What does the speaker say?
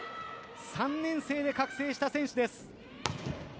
３年生で覚醒した選手です。